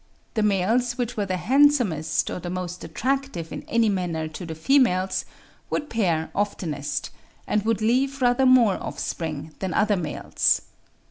The males which were the handsomest or the most attractive in any manner to the females would pair oftenest, and would leave rather more offspring than other males.